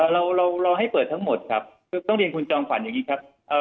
เราเราให้เปิดทั้งหมดครับคือต้องเรียนคุณจอมขวัญอย่างนี้ครับ